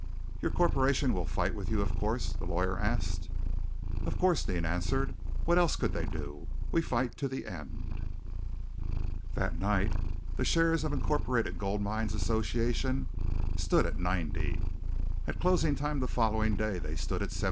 "Your corporation fight with you, of course?" the lawyer asked. "Of course," Deane answered. "What else could they do? We fight to the end!" That night, shares in the Incorporated Gold Mines Association stood at 90. At closing time the following day they stood at 74.